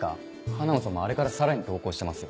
ハナモさんもあれからさらに投稿してますよ。